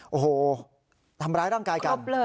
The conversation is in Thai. โอ้โหทำร้ายร่างกายกัน